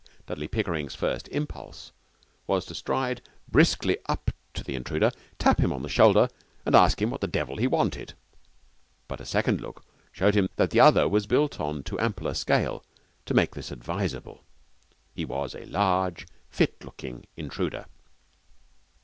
Dudley Pickering's first impulse was to stride briskly up to the intruder, tap him on the shoulder, and ask him what the devil he wanted; but a second look showed him that the other was built on too ample a scale to make this advisable. He was a large, fit looking intruder.